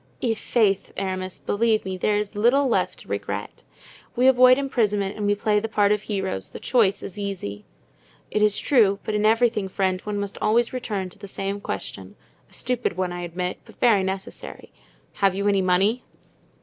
I'faith, Aramis, believe me, there is little left to regret. We avoid imprisonment and we play the part of heroes; the choice is easy." "It is true; but in everything, friend, one must always return to the same question—a stupid one, I admit, but very necessary—have you any money?"